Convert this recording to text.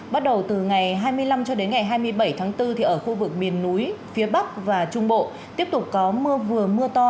bắt đầu từ ngày hai mươi năm cho đến ngày hai mươi bảy tháng bốn thì ở khu vực miền núi phía bắc và trung bộ tiếp tục có mưa vừa mưa to